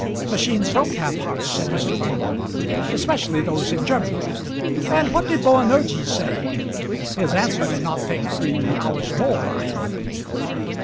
"Machines don't have hearts," said Mr. Furnival; "especially those in Germany. And what did Boanerges say? His answer did not take three hours more, I hope."